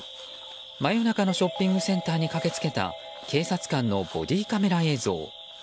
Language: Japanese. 真夜中のショッピングセンターに駆けつけた警察官のボディーカメラ映像。